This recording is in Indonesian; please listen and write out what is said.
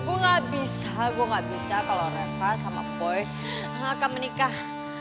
gue gak bisa gue gak bisa kalau reva sama boy akan menikah